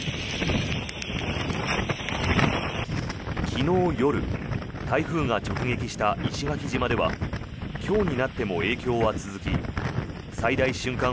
昨日夜、台風が直撃した石垣島では今日になっても影響は続き最大瞬間